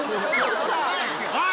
おい！